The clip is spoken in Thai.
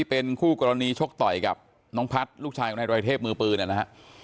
ผู้กรณีชกต่อยกับพัธย์ลูกชายในรายเทพมือพื้นนี่นะฮะ